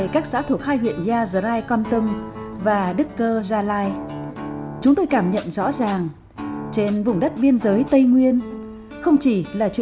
các bạn hãy đăng ký kênh để ủng hộ kênh của chúng mình nhé